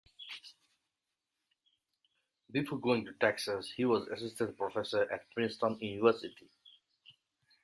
Before going to Texas, he was assistant professor at Princeton University.